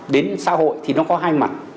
đến xã hội thì nó có hai mặt